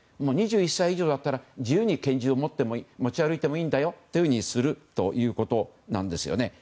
２１歳以上だから自由に拳銃を持ち歩いていいんだよとするということなんですね。